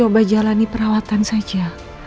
dan coba jalani perawatan saja